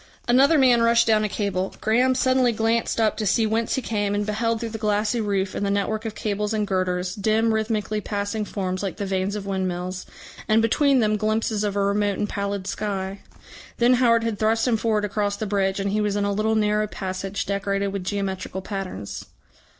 Another man rushed down a cable. Graham suddenly glanced up to see whence he came, and beheld through the glassy roof and the network of cables and girders, dim rhythmically passing forms like the vanes of windmills, and between them glimpses of a remote and pallid sky. Then Howard had thrust him forward across the bridge, and he was in a little narrow passage decorated with geometrical patterns.